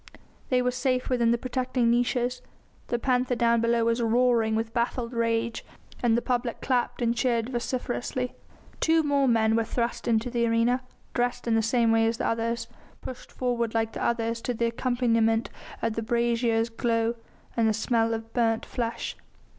They were safe within the protecting niches; the panther down below was roaring with baffled rage, and the public clapped and cheered vociferously. Two more men were thrust into the arena, dressed in the same way as the others, pushed forward like the others to the accompaniment of a brazier's glow and the smell of burnt flesh.